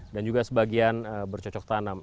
dan juga sebagian bercocok tanam